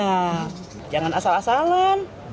nah jangan asal asalan